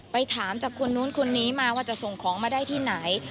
ไปถามจากคนนู้นคนนี้มาว่าจะส่งของมาได้ที่ไหน